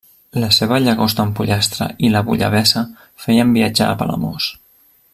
La seva llagosta amb pollastre i la bullabessa feien viatjar a Palamós.